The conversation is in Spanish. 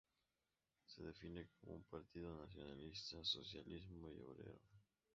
Se define como un partido nacionalista, socialista y obrero.